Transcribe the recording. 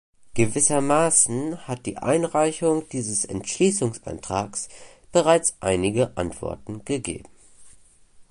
Gewissermaßen hat die Einreichung dieses Entschließungsantrags bereits einige Antworten gegeben.